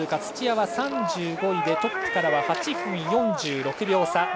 土屋は３５位でトップからは８分４６秒差。